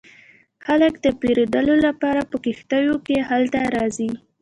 خلک د پیرودلو لپاره په کښتیو کې هلته راځي